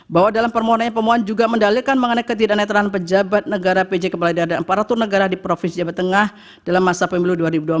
bahwa dalam permohonan pemohon juga mendalilkan mengenai ketidak netralan pejabat negara pj kepala daerah empat ratus negara di provinsi jawa tengah dalam masa pemilu dua ribu dua puluh